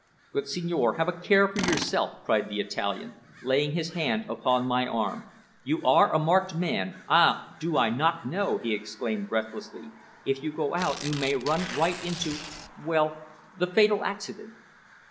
"But, signore, have a care for yourself," cried the Italian, laying his hand upon my arm. "You are a marked man. Ah! do I not know," he exclaimed breathlessly. "If you go out you may run right into well, the fatal accident."